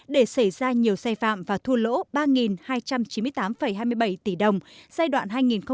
để xảy ra nhiều xe phạm và thu lỗ ba hai trăm chín mươi tám hai mươi bảy tỷ đồng giai đoạn hai nghìn một mươi một hai nghìn một mươi ba